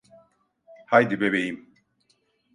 Haydi bebeğim.